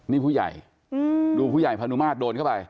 นี่ผู้ใหญ่ดูผู้ใหญ่พานุมาตรโดนเข้าไป